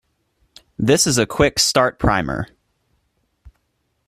This is a quick start primer.